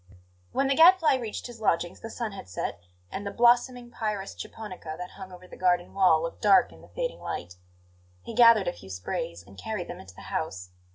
When the Gadfly reached his lodgings the sun had set, and the blossoming pyrus japonica that hung over the garden wall looked dark in the fading light. He gathered a few sprays and carried them into the house.